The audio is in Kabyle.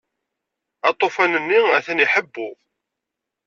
Aṭufan-nni atan iḥebbu.